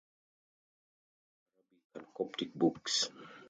He transcribed many Arabic and Coptic books.